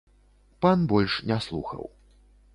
Пан больш не слухаў.